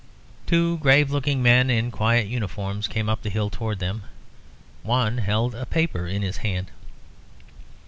Two grave looking men in quiet uniforms came up the hill towards them. One held a paper in his hand.